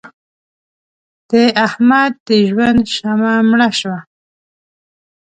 د احمد د ژوند شمع مړه شوه.